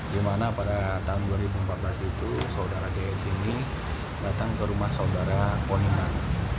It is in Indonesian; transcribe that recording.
di mana pada tahun dua ribu empat belas itu saudara ds ini datang ke rumah saudara poniman